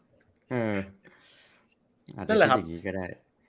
อาจจะไม่ได้จัดอย่างนี้ก็ได้